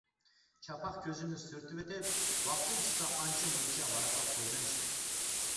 چاپاق كۆزۈمنى سۈرتۈۋېتىپ ۋاقتىم چىقسا ئانچە-مۇنچە ۋاراقلاپ قويىمەن شۇ.